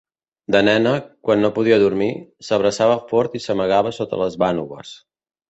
De nena, quan no podia dormir, s'abraçava fort i s'amagava sota les vànoves.